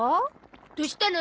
どうしたの？